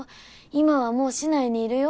今はもう市内にいるよ。